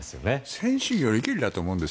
選手によりけりだと思うんです。